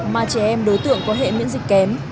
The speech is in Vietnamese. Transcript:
mà trẻ em đối tượng có hệ miễn dịch kém